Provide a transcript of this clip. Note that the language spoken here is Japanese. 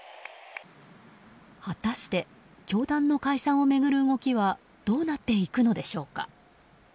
果たして教団の解散を巡る動きはどうなっていくのでしょうか。